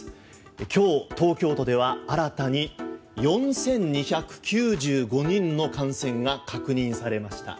今日、東京都では新たに４２９５人の感染が確認されました。